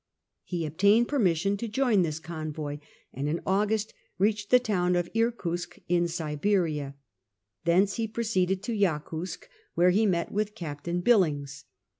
He obtained permission to join this convoy, and in August reached the town of Irkutsk in Siberia. Thence he proceeded to Yakutsk, where he met with Captain Billings.